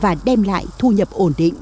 và đem lại thu nhập ổn định